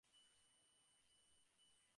তা ছাড়া মস্তিষ্কের অপারেশন প্রায়ই হয়।